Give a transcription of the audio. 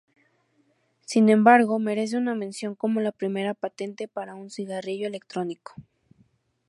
Sin embargo, merece una mención como la primera patente para un cigarrillo electrónico.